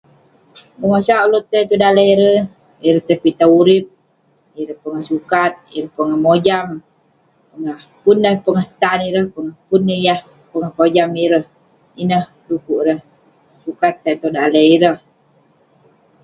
bengosak ulouk tai tong daleh ireh, ireh tai pitah urip, ireh pongah sukat, ireh pongah mojam, pongah pun neh pongah tan ireh, pongah pun neh yah pongah kojam ireh..ineh du'kuk ireh sukat tai tong daleh ireh.